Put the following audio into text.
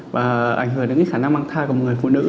và ảnh hưởng đến khả năng mang thai của một người phụ nữ